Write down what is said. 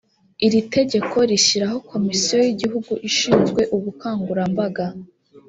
iri tegeko rishyiraho komisiyo y’ igihugu ishinzwe ubukangurambaga